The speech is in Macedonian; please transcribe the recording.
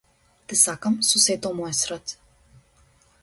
Те сакам со сето мое срце.